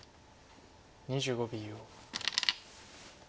２５秒。